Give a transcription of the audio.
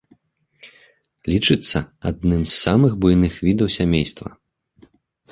Лічыцца адным з самых буйных відаў сямейства.